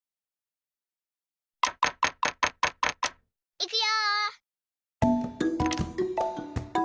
いくよ！